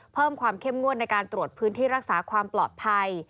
เพิ่มความเข้มงวดในการตรวจพื้นที่รักษาความปลอดภัย